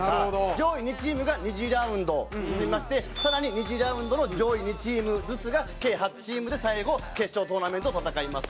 上位２チームが２次ラウンド進みまして更に２次ラウンドの上位２チームずつが計８チームで最後決勝トーナメントを戦います。